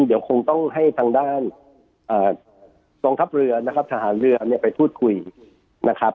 เดี๋ยวคงต้องให้ทางด้านกองทัพเรือนะครับทหารเรือเนี่ยไปพูดคุยนะครับ